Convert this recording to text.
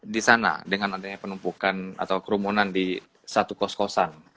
di sana dengan adanya penumpukan atau kerumunan di satu kos kosan